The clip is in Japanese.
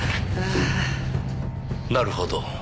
なるほど。